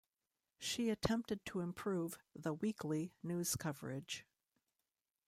She attempted to improve "The Weekly" news coverage.